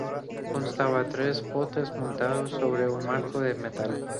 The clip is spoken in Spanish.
Constaba de tres botes montados sobre un marco de metal.